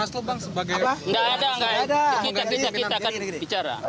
tidak ada kita akan bicara